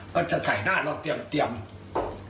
ก็จะใส่หน้าเราเตรียมตรับงาน